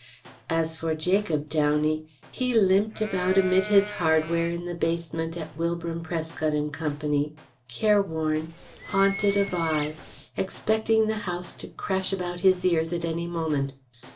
As for Jacob Downey, he limped about amid his hardware in the basement at Wilbram, Prescott & Co.s, careworn, haunted of eye, expecting the house to crash about his ears at any moment.